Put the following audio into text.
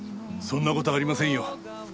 そんな事はありませんよ。